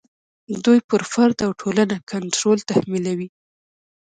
دوی پر فرد او ټولنه کنټرول تحمیلوي.